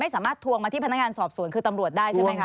สามารถทวงมาที่พนักงานสอบสวนคือตำรวจได้ใช่ไหมคะ